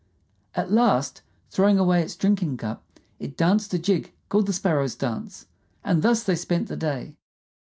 At last, throwing away its drinking cup, it danced a jig called the Sparrow's dance, and thus they spent the day.